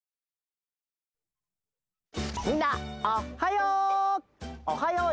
みんなおっはよう！